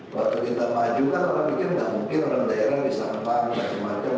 waktu kita maju kan orang orang bikin nggak mungkin orang daerah bisa ngebang macam macam